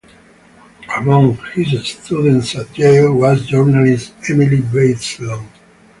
Among his students at Yale was journalist Emily Bazelon.